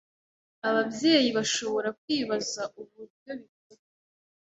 ababyeyi bashobora kwibaza uburyo bikorwa